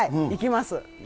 行きます。